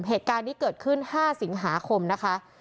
เหตุการณ์นี้เกิดขึ้น๕สิงหาคมนะคะ